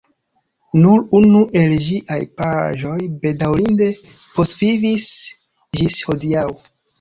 Nur unu el ĝiaj paĝoj bedaŭrinde postvivis ĝis hodiaŭ.